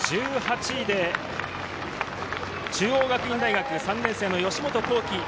１８位で中央学院大学３年生の吉本光希。